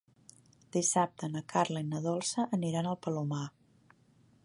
Dissabte na Carla i na Dolça aniran al Palomar.